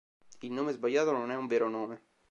Il nome sbagliato non è un vero nome.